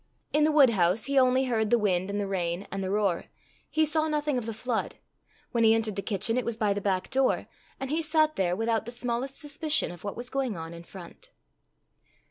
In the woodhouse he only heard the wind and the rain and the roar, he saw nothing of the flood; when he entered the kitchen, it was by the back door, and he sat there without the smallest suspicion of what was going on in front.